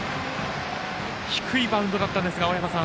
低いバウンドだったんですが。